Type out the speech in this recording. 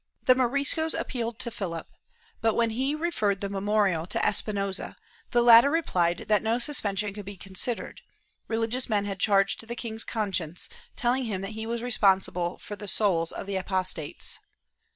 The Moriscos appealed to Philip, but, when he referred the memorial to Espinosa, the latter replied that no suspension could be considered ; religious men had charged the king's conscience, telling him that he was responsible for the souls of the apostates.